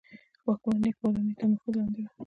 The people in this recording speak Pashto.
واکمنې کورنۍ تر نفوذ لاندې وه.